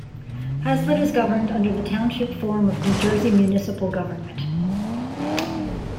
Hazlet is governed under the Township form of New Jersey municipal government.